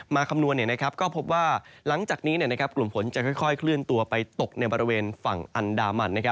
คำนวณก็พบว่าหลังจากนี้กลุ่มฝนจะค่อยเคลื่อนตัวไปตกในบริเวณฝั่งอันดามัน